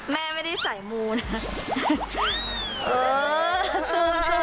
แม่ไม่ได้ใส่มูนะ